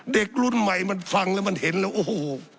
เด็กรุ่นใหม่มันฟังแล้วมันเห็นแล้วโอ้โห